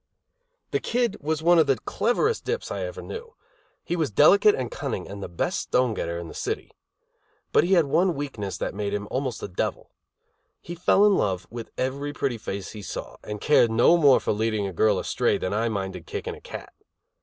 The Kid was one of the cleverest dips I ever knew; he was delicate and cunning, and the best stone getter in the city. But he had one weakness that made him almost a devil. He fell in love with every pretty face he saw, and cared no more for leading a girl astray than I minded kicking a cat.